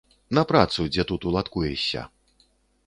На працу, дзе тут уладкуешся.